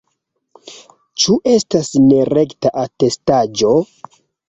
Ĉu estas nerekta atestaĵo?